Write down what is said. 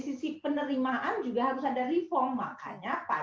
sisi penerimaan juga harganya pacak harus direformasi situ sekarang ini kalau kita masuk